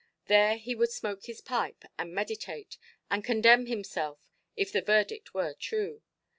There he would smoke his pipe, and meditate, and condemn himself, if the verdict were true.